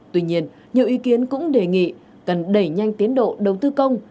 tuy nhiên nhiều ý kiến cũng đề nghị cần đẩy nhanh tiến độ đầu tư công